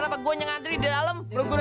sampai jumpa di video selanjutnya